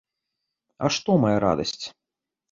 А што, мая радасць?